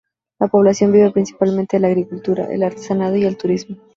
La población vive principalmente de la agricultura, el artesanado y el turismo.